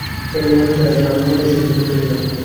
কেবলই মনে হতে লাগল, আমি মরলেই সব বিপদ কেটে যাবে।